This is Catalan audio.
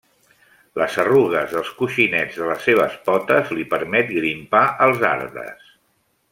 Les arrugues dels coixinets de les seves potes li permet grimpar als arbres.